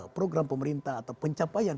program pemerintah atau pencapaian